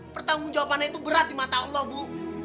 pertanggung jawabannya itu berat di mata allah bu